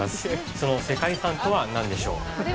その世界遺産とは何でしょう